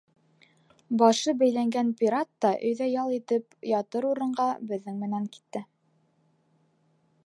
Башы бәйләнгән пират та өйҙә ял итеп ятыр урынға беҙҙең менән китте.